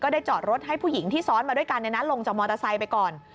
ได้จอดรถให้ผู้หญิงที่ซ้อนมาด้วยกันลงจากมอเตอร์ไซค์ไปก่อน